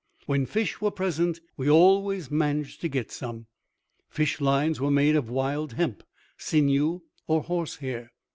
When fish were present, we always managed to get some. Fish lines were made of wild hemp, sinew or horse hair.